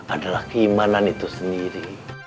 adalah keimanan itu sendiri